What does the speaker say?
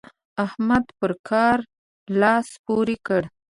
احمد پر کار لاس پورې کړ.